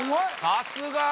さすが！